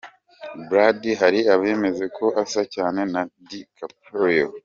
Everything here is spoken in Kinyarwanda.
Brady hari abemeza ko asa cyane na DiCaprio.